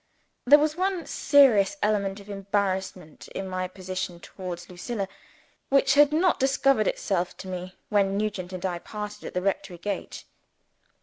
There was one serious element of embarrassment in my position towards Lucilla, which had not discovered itself to me when Nugent and I parted at the rectory gate.